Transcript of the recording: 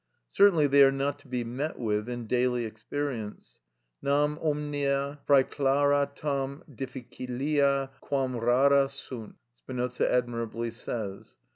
Certainly they are not to be met with in daily experience: Nam omnia præclara tam difficilia quam rara sunt, Spinoza admirably says.